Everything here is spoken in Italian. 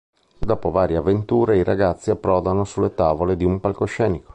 Dopo varie avventure, i ragazzi approdano sulle tavole di un palcoscenico.